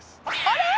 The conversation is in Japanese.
あれ？